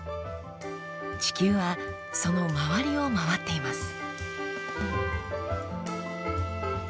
地球はその周りを回っています。